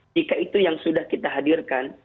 jika itu yang sudah kita hadirkan